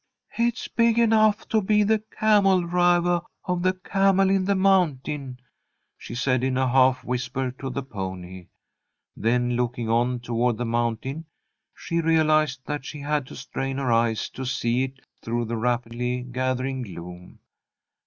"It's big enough to be the camel drivah of the camel in the mountain," she said in a half whisper to the pony. Then looking on toward the mountain, she realized that she had to strain her eyes to see it through the rapidly gathering gloom.